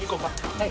はい。